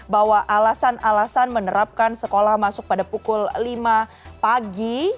bahwa alasan alasan menerapkan sekolah masuk pada pukul lima pagi